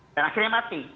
dan akhirnya mati